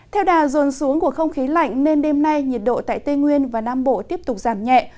theo đà dồn xuống của không khí lạnh nên đêm nay nhiệt độ tại tây nguyên và nam bộ tiếp tục giảm nhẹ